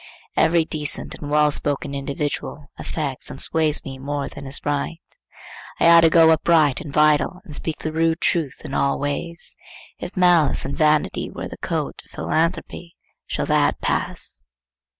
Every decent and well spoken individual affects and sways me more than is right. I ought to go upright and vital, and speak the rude truth in all ways. If malice and vanity wear the coat of philanthropy, shall that pass?